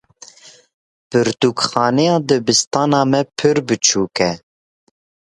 Pirtûkxaneya dibistana me pir biçûk e.